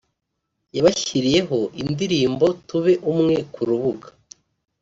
yabashyiriyeho indirimbo “Tube umwe” ku rubuga